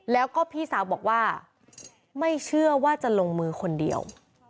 แล้วก็พี่สาวบอกว่าไม่เชื่อว่าจะลงมือคนเดียว